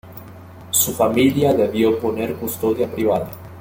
Su familia debió poner custodia privada.